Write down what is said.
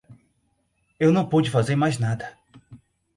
Eu não pude fazer mais nada.